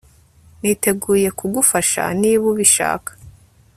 niteguye kugufasha niba ubishaka